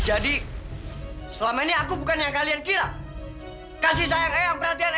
aku memang bukanlah ton dan tempatku bukan di sini